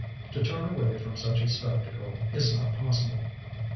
To turn away from such a spectacle is not possible.